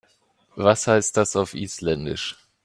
Was heißt das auf Isländisch?